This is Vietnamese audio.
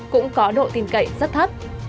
cũng có độ tin cậy rất thấp